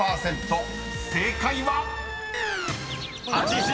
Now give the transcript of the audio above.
［正解は⁉］